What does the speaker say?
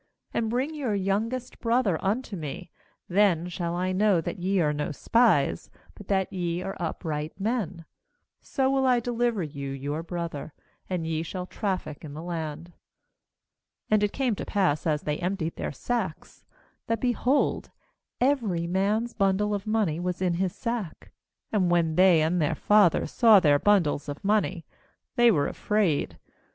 HAnd bring your youngest brother unto me; then shall I know that ye are no spies, but that ye are upright men; so will I deliver you your brother, and ye shall traffic in the land/ 35And it came to pass as they emptied their sacks, that, behold, every man's bundle of money was in his sack; and when they and their father saw their bundles of money, they were afraid.